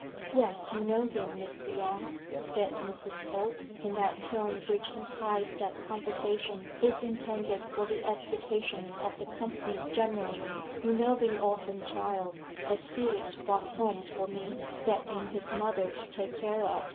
"Yes you know him, Miss Lyon," said Mrs. Holt, in that tone which implies that the conversation is intended for the edification of the company generally; "you know the orphin child, as Felix brought home for me that am his mother to take care of.